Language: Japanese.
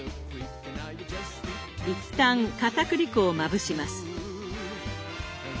一旦かたくり粉をまぶします。